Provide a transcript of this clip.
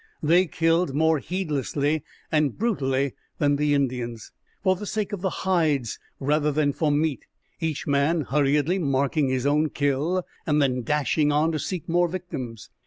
They killed more heedlessly and brutally than the Indians, for the sake of the hides rather than for meat, each man hurriedly marking his own kill and then dashing on to seek more victims.